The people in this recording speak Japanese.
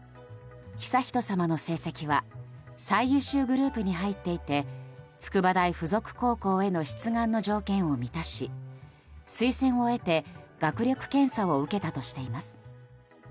悠仁さまの成績は最優秀グループに入っていて筑波大附属高校への出願の条件を満たし推薦を得て、学力検査を受けたとしています。